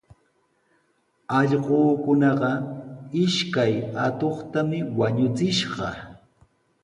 Allquukunaqa ishkay atuqtami wañuchishqa.